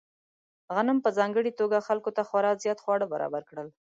غنم په ځانګړې توګه خلکو ته خورا زیات خواړه برابر کړل.